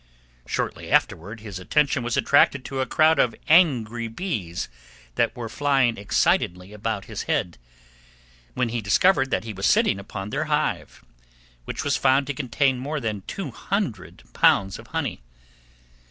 Shortly afterward his attention was attracted to a crowd of angry bees that were flying excitedly about his head, when he discovered that he was sitting upon their hive, which was found to contain more than 200 pounds of honey.